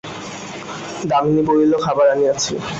দামিনী বলিল, খাবার আনিয়াছি।